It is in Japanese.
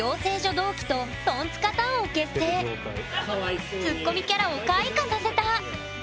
同期とツッコミキャラを開花させた！